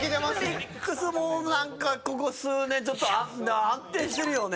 オリックスもなんかここ数年ちょっと安定してるよね。